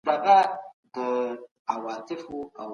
تاسي کله د مسلمانانو د یووالي لپاره غږ پورته کړی؟